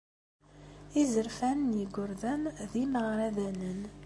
Izerfan n yigerdan d imeɣradanen.